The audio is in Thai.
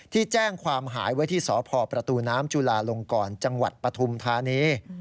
ที่แจ้งความหายไว้ที่สพประตูน้ำจุลาลงกรจังหวัดปฐุมธานี